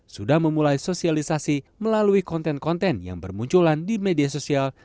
sudah memulai sosialisasi melalui konten konten yang bermunculan di media sosial